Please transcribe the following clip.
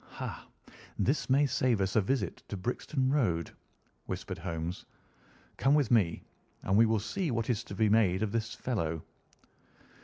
"Ha! this may save us a visit to Brixton Road," whispered Holmes. "Come with me, and we will see what is to be made of this fellow."